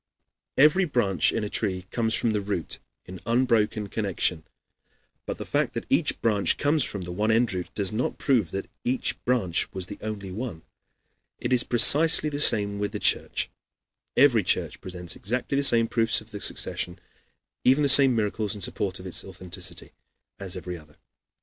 Every branch in a tree comes from the root in unbroken connection; but the fact that each branch comes from the one root, does not prove at all that each branch was the only one. It is precisely the same with the Church. Every church presents exactly the same proofs of the succession, and even the same miracles, in support of its authenticity, as every other.